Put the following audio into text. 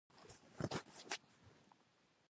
مدیر د کارکوونکو تر منځ د همغږۍ دنده لري.